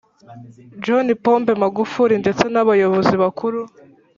john pombe magufuri ndetse n’abayobozi bakuru